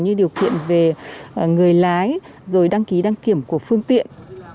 như điều kiện về người lái rồi đăng ký đăng kiểm của phương tiện